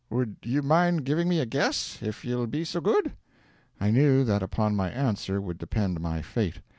Would you mind giving a guess, if ye'll be so good?" I knew that upon my answer would depend my fate.